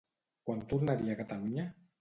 Quan tornaria a Catalunya?